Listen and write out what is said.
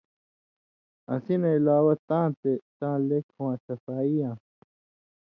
اسی نہ علاوہ تاں تے تاں لیکھہۡ واں صفائی یاں